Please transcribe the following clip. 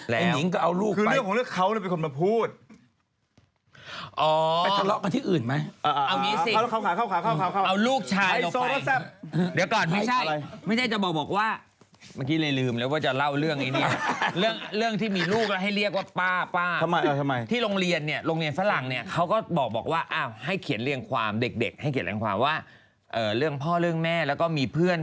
และนิ้งก็เอาลูกคือเรื่องของเรื่องเขาเป็นคนมาพูด